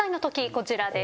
こちらです。